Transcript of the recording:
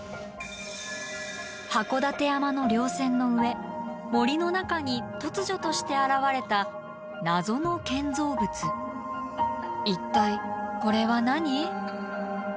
函館山の稜線の上森の中に突如として現れた一体これは何？